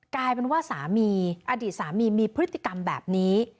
กลายเป็นว่าสามีอดีตสามีมีพฤติกรรมแบบนี้